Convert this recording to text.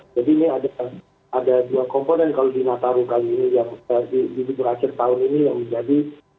jadi ini ada dua komponen kalau di natal kali ini yang di berakhir tahun ini yang menjadi